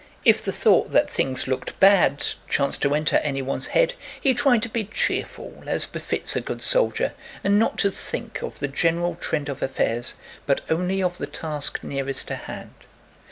If the thought that things looked bad chanced to enter anyone's head, he tried to be as cheerful as befits a good soldier and not to think of the general trend of affairs, but only of the task nearest to hand.